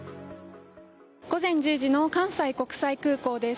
午前１０時の関西国際空港です。